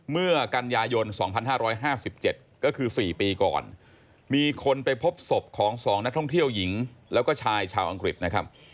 เมื่อกันยายน๒๕๕๗ก็คือ๔ปีก่อนมีคนไปพบศพของ๒นักท่องเที่ยวหญิงแล้วก็ชายชาวอังกฤษนะครับ